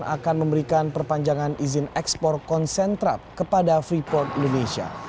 akan memberikan perpanjangan izin ekspor konsentrat kepada freeport indonesia